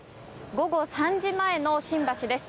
午後３時前の新橋です。